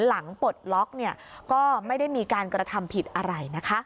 ปลดล็อกก็ไม่ได้มีการกระทำผิดอะไรนะคะ